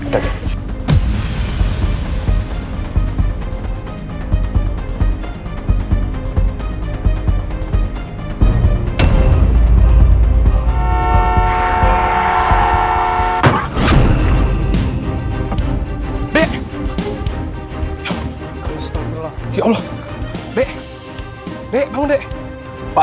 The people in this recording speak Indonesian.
makasih ya mbak ya